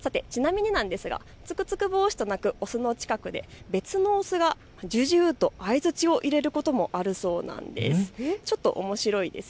ちなみになんですがツクツクボーシとなくオスの近くで別のオスがジュジューと相づちを入れることがあるそうなんです。